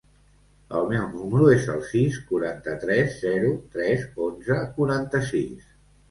El meu número es el sis, quaranta-tres, zero, tres, onze, quaranta-sis.